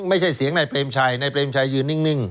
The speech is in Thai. ไม่ใช่เสียงในเปรมชัยในเปรมชัยยืนนึง